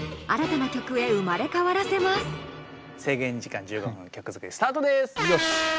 新たな曲へ生まれ変わらせます。